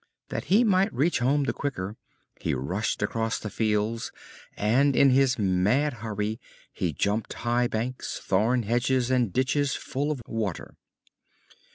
That he might reach home the quicker he rushed across the fields, and in his mad hurry he jumped high banks, thorn hedges and ditches full of water.